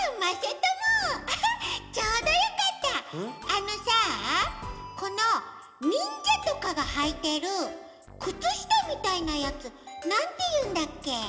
あのさこのにんじゃとかがはいてるくつしたみたいなやつなんていうんだっけ？